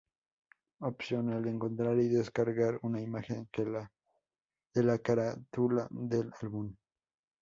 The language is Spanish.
Opcional: encontrar y descargar una imagen de la carátula del álbum.